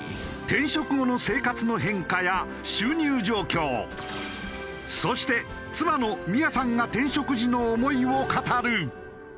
転職後の生活の変化や収入状況そして妻の美也さんが転職時の思いを語る！